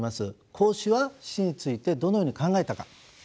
孔子は死についてどのように考えたか。